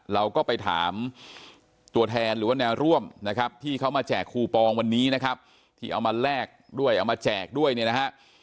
เราก็ไปถามตัวแทนหรือว่าแนวร่วมนะครับที่เขามาแจกคูปองวันนี้นะครับที่เอามาแลกด้วยเอามาแจกด้วยเนี่ยนะฮะ